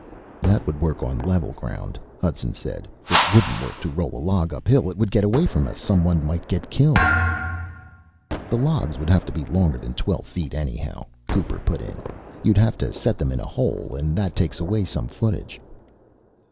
"That would work on level ground," Hudson said. "It wouldn't work to roll a log uphill. It would get away from us. Someone might get killed." "The logs would have to be longer than twelve feet, anyhow," Cooper put in. "You'd have to set them in a hole and that takes away some footage."